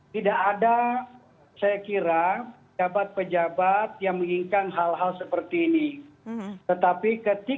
tidak ada saya kira pejabat pejabat yang menginginkan hal hal seperti ini